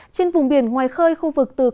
trên vùng biển ngoài khơi khu vực từ quảng ngã